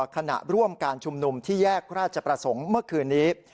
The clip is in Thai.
ขณะร่วมการชุมนุมที่แยกราชประสงค์เมื่อคืนนี้